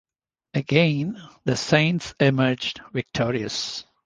Again, the Saints emerged victorious.